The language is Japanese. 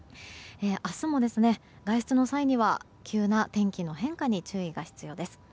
明日も外出の際には急な天気の変化に注意が必要です。